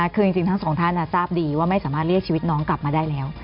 คือจริงทั้งสองท่านทราบดีว่าไม่สามารถเรียกชีวิตน้องกลับมาได้แล้ว